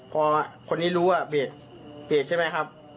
เพราะคนนี้รู้ว่าเบรกใช่ไหมครับ